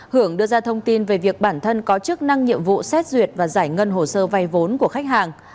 hưởng đưa ra thông tin về việc bản thân có chức năng nhiệm vụ xét duyệt và giải ngân hồ sơ vay vốn của khách hàng